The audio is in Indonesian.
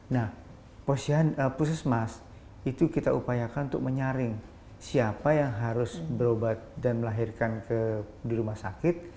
nah puskesmas itu kita upayakan untuk menyaring siapa yang harus berobat dan melahirkan di rumah sakit